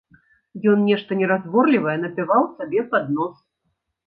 Ён нешта неразборлівае напяваў сабе пад нос.